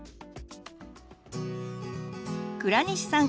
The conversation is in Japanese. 倉西さん